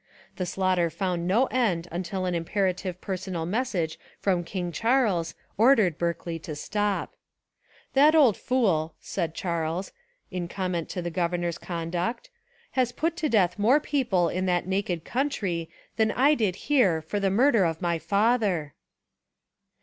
The slaughter found no end until an Imperative personal message from King Charles ordered Berkeley to stop. "That old fool," said Charles, In comment on the gov ernor's conduct, "has put to death more people In that naked country than I did here for the murder of my father."